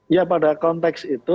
ya pada konteks itu